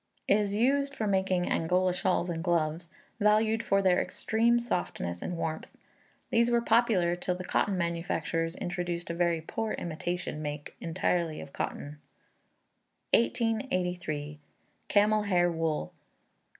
Is used for making Angola shawls and gloves, valued for their extreme softness and warmth. These were popular till the cotton manufacturers introduced a very poor imitation make entirely of cotton. 1883. Camel hair Wool.